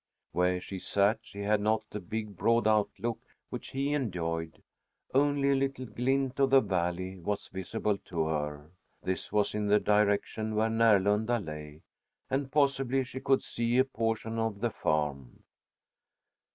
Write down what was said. Where she sat, she had not the big, broad outlook which he enjoyed; only a little glint of the valley was visible to her. This was in the direction where Närlunda lay, and possibly she could see a portion of the farm.